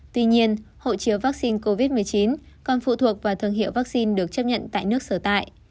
tuy nhiên hộ chiếu vaccine covid một mươi chín còn phụ thuộc vào thương hiệu vaccine được chấp nhận tại nước sở tại